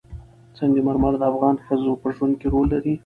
سنگ مرمر د افغان ښځو په ژوند کې رول لري.